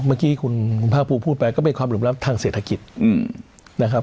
เมื่อกี้คุณภาคภูมิพูดไปก็เป็นความเหลื่อมล้ำทางเศรษฐกิจนะครับ